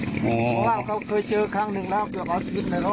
เพราะว่าเราเคยเจอครั้งหนึ่งแล้วเกือบอาทิตย์แล้ว